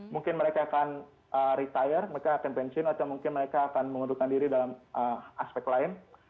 mungkin mereka akan retire mereka akan pensiun atau mungkin mereka akan mengundurkan diri dalam aspek lain